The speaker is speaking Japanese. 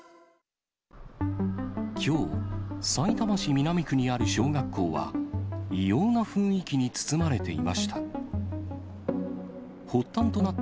きょう、さいたま市南区にある小学校は、異様な雰囲気に包まれていました。